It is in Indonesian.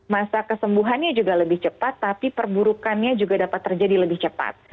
masa kesembuhannya juga lebih cepat tapi perburukannya juga dapat terjadi lebih cepat